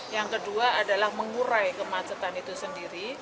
yang kedua adalah mengurai kemacetan itu sendiri